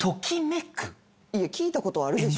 いや聞いたことはあるでしょ。